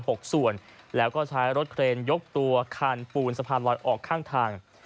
หกส่วนแล้วก็ใช้รถเครนยกตัวคานปูนสะพานลอยออกข้างทาง